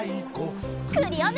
クリオネ！